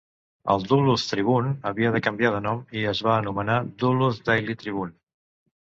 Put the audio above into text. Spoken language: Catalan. El "Duluth Tribune" aviat va canviar de nom i es va anomenar "Duluth Daily Tribune".